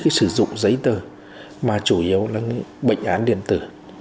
người ta sẽ giảm bớt đi sử dụng giấy tờ mà chủ yếu là bệnh án điện tử